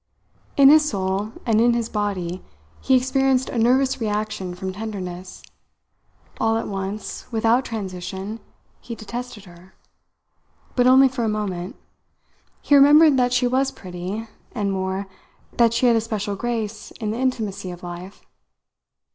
In his soul and in his body he experienced a nervous reaction from tenderness. All at once, without transition, he detested her. But only for a moment. He remembered that she was pretty, and, more, that she had a special grace in the intimacy of life.